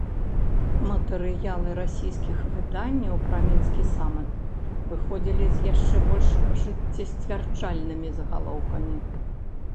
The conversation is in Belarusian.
Матэрыялы расійскіх выданняў пра мінскі саміт выходзілі з яшчэ больш жыццесцвярджальнымі загалоўкамі.